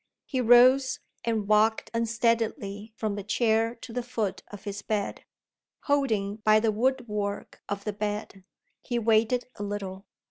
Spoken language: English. He rose and walked unsteadily from the chair to the foot of his bed. Holding by the wood work of the bed; he waited a little.